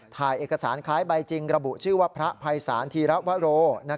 ถ่ายเอกสารคล้ายใบจริงระบุชื่อว่าพระภัยศาลธีระวโร